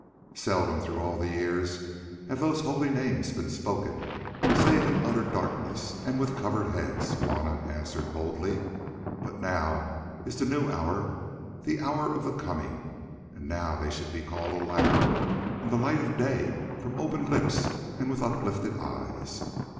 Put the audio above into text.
"Seldom through all the years have those holy names been spoken save in utter darkness and with covered heads," Juanna answered boldly; "but now is the new hour, the hour of the coming, and now they shall be called aloud in the light of day from open lips and with uplifted eyes.